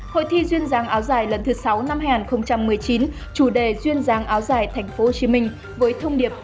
hội thi duyên dáng áo dài lần thứ sáu năm hai nghìn một mươi chín chủ đề duyên giang áo dài tp hcm với thông điệp